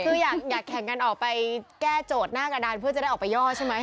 คืออยากแข่งกันออกไปแก้โจทย์หน้ากระดานเพื่อจะได้ออกไปย่อใช่ไหม